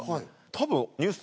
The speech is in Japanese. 多分。